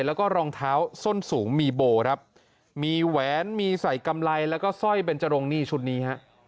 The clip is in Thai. แล้วก็รองเท้าส้นสูงมีโบครับมีแหวนมีใส่กำไรแล้วก็สร้อยเบนจรงนี่ชุดนี้ฮะ